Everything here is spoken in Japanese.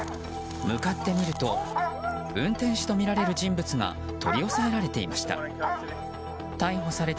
向かってみると運転手とみられる人物が取り押さえられていました。